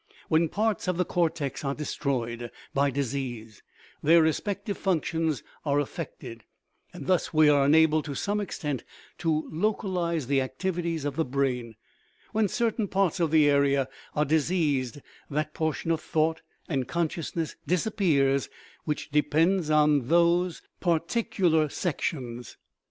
When parts of the cortex are destroyed by disease their respective functions are affected, and thus we are enabled, to some extent, to localize the ac tivities of the brain ; when certain parts of the area are diseased, that portion of thought and consciousness disappears which depends on those particular sections.